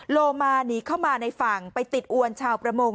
โลมาหนีเข้ามาในฝั่งไปติดอวนชาวประมง